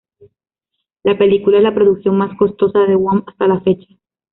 La película es la producción más costosa de Wong hasta la fecha.